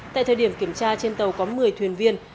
tại thời điểm kiểm tra trên tàu có một mươi thuyền viên